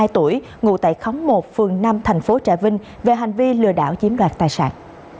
ba mươi hai tuổi ngụ tại khóng một phường năm tp trà vinh về hành vi lừa đảo chiếm đoạt tài sản